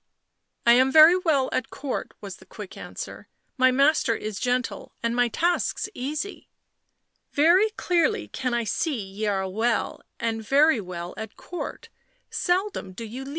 " I am very well at Court," was the quick answer. " My master is gentle and my tasks easy." " Very clearly can I see ye are well, and very well at Court — seldom do ye leave it."